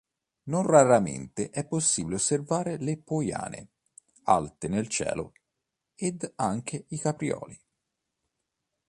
Non raramente è possibile osservare le poiane alte nel cielo ed anche i caprioli.